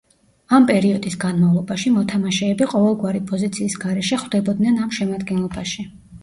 ამ პერიოდის განმავლობაში, მოთამაშეები ყოველგვარი პოზიციის გარეშე ხვდებოდნენ ამ შემადგენლობაში.